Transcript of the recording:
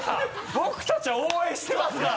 僕たちは応援してますから。